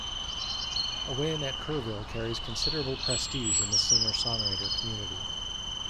A win at Kerrville carries considerable prestige in the singer-songwriter community.